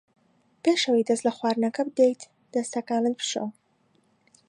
پێش ئەوەی دەست لە خواردنەکە بدەیت دەستەکانت بشۆ.